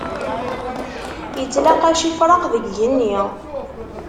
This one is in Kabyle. Ittlaqac ifrax, deg genni.